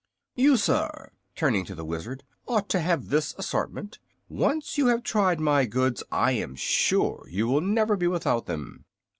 You, sir," turning to the Wizard, "ought to have this assortment. Once you have tried my goods I am sure you will never be without them."